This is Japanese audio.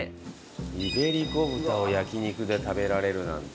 イベリコ豚を焼肉で食べられるなんて。